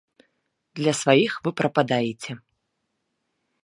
Для сваіх вы прападаеце.